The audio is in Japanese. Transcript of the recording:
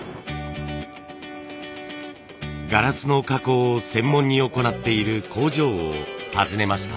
ガラスの加工を専門に行っている工場を訪ねました。